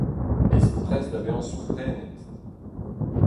Bezit prest da vezañ sourprenet !